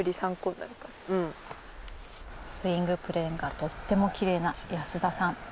スイングプレーがとてもきれいな安田さん。